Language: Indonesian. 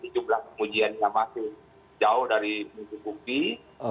jumlah kemujiannya masih jauh dari minggu minggu ini